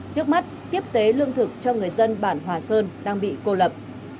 trước mắt tiếp tế lương thực cho người dân bản hòa sơn đang bị cô lập